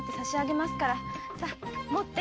さっ持って。